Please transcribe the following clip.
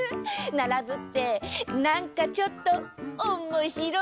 ならぶってなんかちょっとおもしろい！